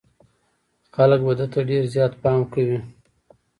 خلک به ده ته ډېر زيات پام کوي.